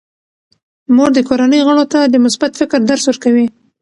مور د کورنۍ غړو ته د مثبت فکر درس ورکوي.